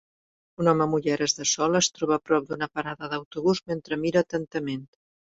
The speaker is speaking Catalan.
Un home amb ulleres de sol es troba a prop d'una parada d'autobús mentre mira atentament.